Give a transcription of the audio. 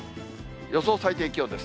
予想最低気温です。